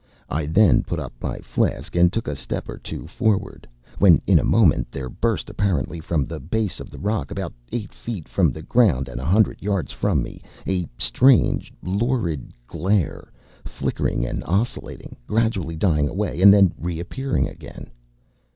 I then put up my flask and took a step or two forward, when in a moment there burst, apparently from the base of the rock, about eight feet from the ground and a hundred yards from me, a strange, lurid glare, flickering and oscillating, gradually dying away and then reappearing again.